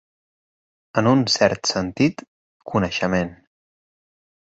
En un cert sentit, coneixement.